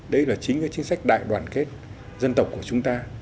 đấy là chính cái chính sách đại đoàn kết dân tộc của chúng ta